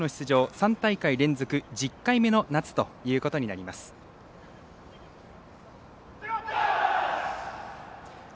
３大会連続１０回目の夏ということになります。